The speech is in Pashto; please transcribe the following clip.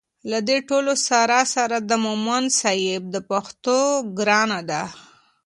له دې ټولو سره سره د مومند صیب د پښتو ګرانه ده